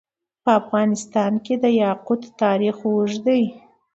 په افغانستان کې د یاقوت تاریخ اوږد دی.